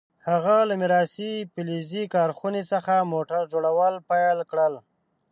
هغه له میراثي فلزي کارخونې څخه موټر جوړول پیل کړل.